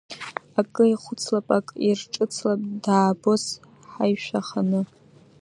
Акы ихәыцлап, ак ирҿыцлап, даабоз ҳаишәа аханы.